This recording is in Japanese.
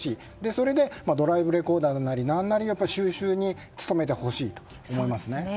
それでドライブレコーダーなりなんなり収集に努めてほしいなと思いますね。